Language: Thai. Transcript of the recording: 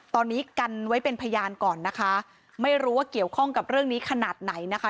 ตอนนี้กันไว้เป็นพยานก่อนนะคะไม่รู้ว่าเกี่ยวข้องกับเรื่องนี้ขนาดไหนนะคะ